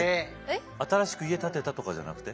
新しく家建てたとかじゃなくて？